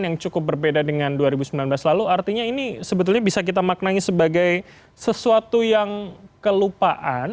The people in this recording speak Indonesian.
yang cukup berbeda dengan dua ribu sembilan belas lalu artinya ini sebetulnya bisa kita maknanya sebagai sesuatu yang kelupaan